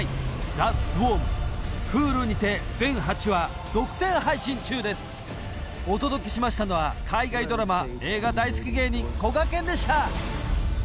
『ＴＨＥＳＷＡＲＭ』Ｈｕｌｕにて全８話独占配信中ですお届けしましたのは海外ドラマ・映画大好き芸人こがけんでした！